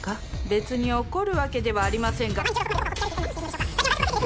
別に怒るわけではありませんが」。